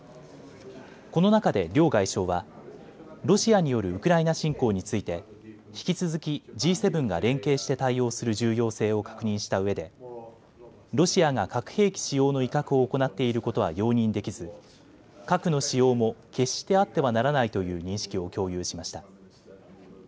この中で両外相は、ロシアによるウクライナ侵攻について引き続きＧ７が連携して対応する重要性を確認したうえでロシアが核兵器使用の威嚇を行っていることは容認できず核の使用も決してあってはならないという認識を共有しました。